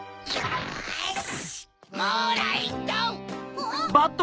あっ！